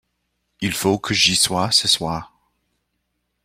Il faut que j'y sois ce soir.